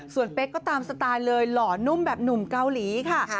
ส่วนเป๊กก็ตามสไตล์เลยหล่อนุ่มแบบหนุ่มเกาหลีค่ะ